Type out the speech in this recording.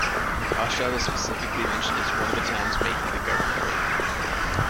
Ostrov is specifically mentioned as one of the towns making the governorate.